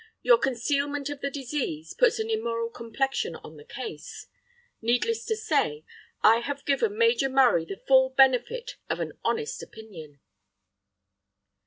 Your concealment of the disease puts an immoral complexion on the case. ... Needless to say, I have given Major Murray the full benefit of an honest opinion."